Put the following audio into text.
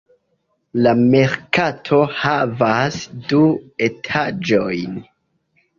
La merkato havas du etaĝojn.